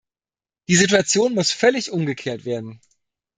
Die Situation muss völlig umgekehrt werden.